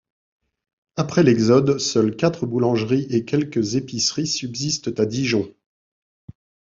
Après l'exode, seules quatre boulangeries et quelques épiceries subsistent à Dijon.